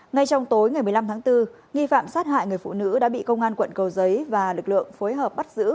ngay trong tối ngày một mươi năm tháng bốn nghi phạm sát hại người phụ nữ đã bị công an quận cầu giấy và lực lượng phối hợp bắt giữ